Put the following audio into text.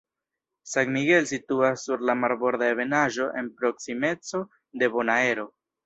San Miguel situas sur la marborda ebenaĵo en proksimeco de Bonaero.